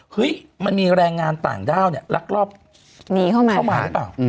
เฮ้ยมันมีแรงงานต่างด้าวรักรอบเข้ามาใช่ป่ะ